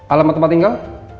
alamat tempat tinggal